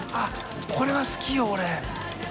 これは好きよオレ。